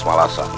dan apa batu itu